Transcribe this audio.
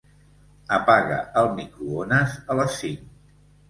Apaga el microones a les cinc.